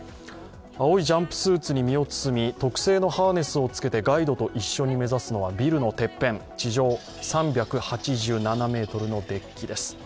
青いジャンプスーツに身を包み、特製のハーネスをつけてガイドと一緒に目指すのはビルのてっぺん、地上３８７ｍのデッキです。